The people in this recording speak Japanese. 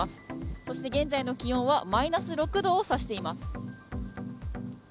そして現在の気温はマイナス６度を指しています。